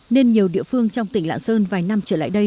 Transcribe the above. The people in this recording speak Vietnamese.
nên nhiều địa phương trong tỉnh lạng sơn vài năm trở lại đây